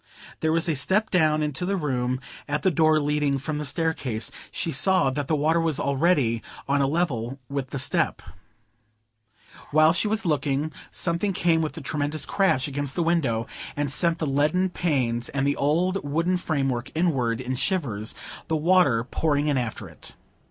There was a step down into the room at the door leading from the staircase; she saw that the water was already on a level with the step. While she was looking, something came with a tremendous crash against the window, and sent the leaded panes and the old wooden framework inward in shivers, the water pouring in after it.